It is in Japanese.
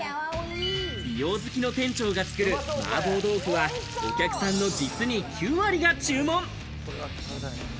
美容好きの店長が作る麻婆豆腐は、お客さんの実に９割が注文。